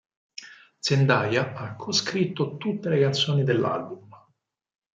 Zendaya ha co-scritto tutte le canzoni dell'album.